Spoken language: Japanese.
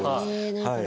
はい。